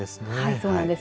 そうなんです。